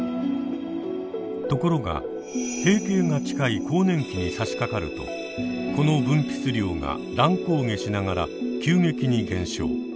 ところが閉経が近い更年期にさしかかるとこの分泌量が乱高下しながら急激に減少。